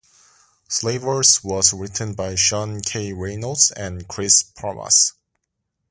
"Slavers" was written by Sean K. Reynolds and Chris Pramas.